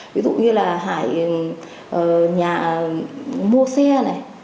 ví dụ như là hải nhà mua xe này